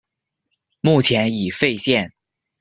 目前已废线。